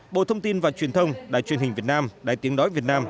bộ thông tin và truyền thông đài truyền hình việt nam đài tiếng nói việt nam